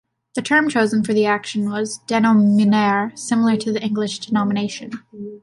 The term chosen for the action was "denominare", similar to the English "denomination".